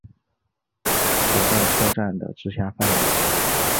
手稻车站的直辖范围。